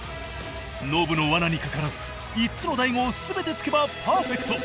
ノブのわなにかからず５つの大悟をすべて突けばパーフェクト。